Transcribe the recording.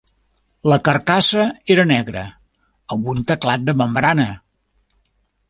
La carcassa era negra, amb un teclat de membrana.